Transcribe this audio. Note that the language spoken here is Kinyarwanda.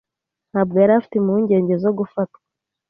ntabwo yari afite impungenge zo gufatwa.